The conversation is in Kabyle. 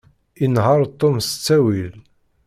Inehheṛ Tom s ttawil.